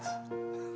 saya tinggal duduk